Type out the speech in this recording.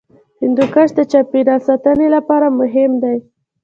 هندوکش د چاپیریال ساتنې لپاره مهم دی.